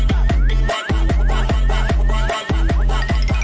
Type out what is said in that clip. สวัสดีค่ะ